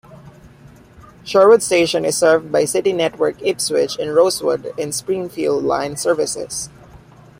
Sherwood station is served by City network Ipswich and Rosewood and Springfield line services.